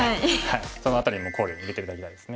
その辺りも考慮に入れて頂きたいです。